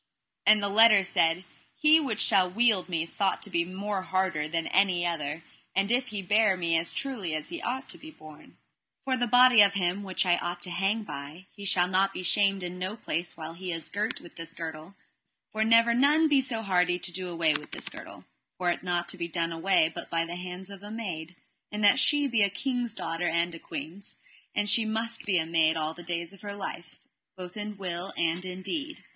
And the letters said: He which shall wield me sought to be more harder than any other, if he bear me as truly as me ought to be borne. For the body of him which I ought to hang by, he shall not be shamed in no place while he is girt with this girdle, nor never none be so hardy to do away this girdle; for it ought not be done away but by the hands of a maid, and that she be a king's daughter and queen's, and she must be a maid all the days of her life, both in will and in deed.